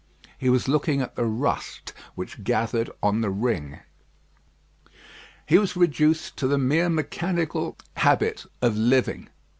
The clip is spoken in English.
He was looking at the rust which gathered on the ring. He was reduced to the mere mechanical habit of living.